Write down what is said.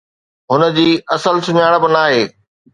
هن جي اصل سڃاڻپ ناهي.